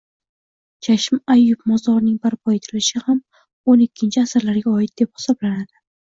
Chashma-Ayub mozorining barpo etilishi ham o'n ikkinchi asrlarga oid, deb hisoblanadi